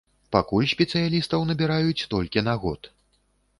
Пакуль спецыялістаў набіраюць толькі на год.